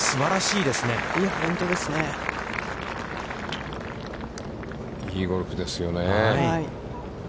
いいゴルフですよね。